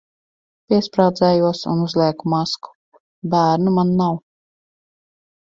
Piesprādzējos un uzlieku masku. Bērnu man nav.